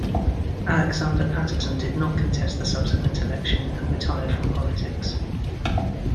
Alexander Paterson did not contest the subsequent election, and retired from politics.